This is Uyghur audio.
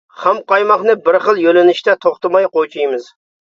خام قايماقنى بىر خىل يۆنىلىشتە توختىماي قوچۇيمىز.